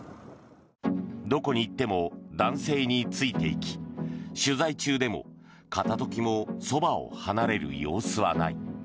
どこに行っても男性についていき取材中でも片時もそばを離れる様子はない。